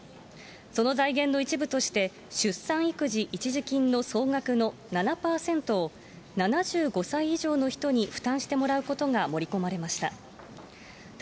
その財源の一部として出産育児一時金の総額の７％を、７５歳以上の人に負担してもらうことが盛り込まれました。